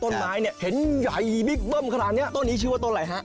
ต้นไม้เนี่ยเห็นใหญ่บิ๊กเบิ้มขนาดเนี้ยต้นนี้ชื่อว่าต้นอะไรฮะ